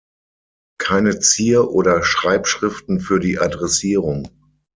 Keine Zier- oder Schreibschriften für die Adressierung.